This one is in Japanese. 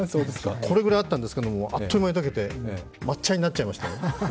これぐらいあったんですけど、あっという間に溶けて抹茶になっちゃいましたよ。